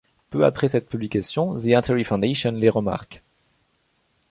Peu après cette publication, The Artery Foundation les remarque.